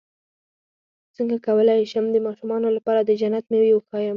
څنګه کولی شم د ماشومانو لپاره د جنت مېوې وښایم